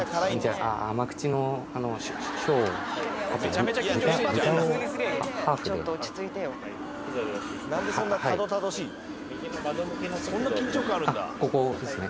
あっここですね。